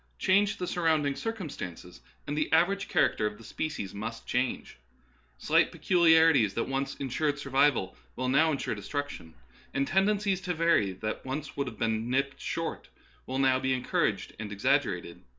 Change the surrounding circumstances, and the average character of the species must change. Slight pe culiarities that once insured survival will now insure destruction, and tendencies to vary that once would have been nipped short will now be encouraged and exaggerated.